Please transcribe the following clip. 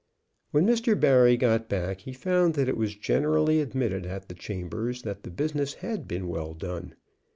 When Mr. Barry got back he found that it was generally admitted at the Chambers that the business had been well done.